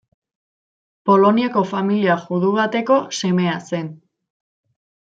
Poloniako familia judu bateko semea zen.